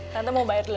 tante mau bayar dulu